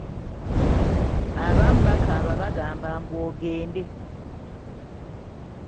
Abamu bakaaba bagamba mbu ogende.